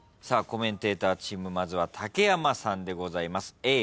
コメンテーターチームまずは竹山さんです。